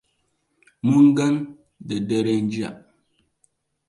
Mun gan ta daren jiya.